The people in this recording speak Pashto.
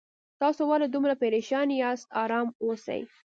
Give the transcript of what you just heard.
تاسو ولې دومره پریشان یاست آرام اوسئ